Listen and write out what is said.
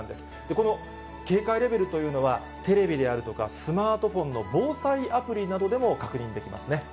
この警戒レベルというのは、テレビであるとかスマートフォンの防災アプリなどでも確認できますね。